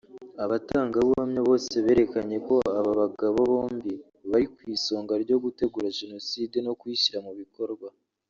Abatangabuhamya bose berekanye ko aba bagabo bombi bari ku isonga ryo gutegura Jenoside no kuyishyira mu bikorwa